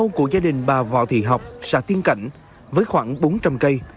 vườn cao của gia đình bà võ thị học sẽ tiên cảnh với khoảng bốn trăm linh cây